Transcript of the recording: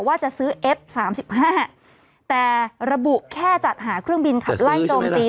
ว่าจะซื้อเอฟสามสิบห้าแต่ระบุแค่จัดหาเครื่องบินขับไล่โจมตี